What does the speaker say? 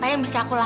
iya bisa banget dah